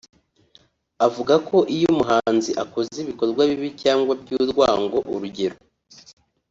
avuga ko “Iyo umuhanzi akoze ibikorwa bibi cyangwa by’urwango (urugero